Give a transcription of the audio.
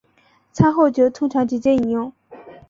餐后酒通常直接饮用。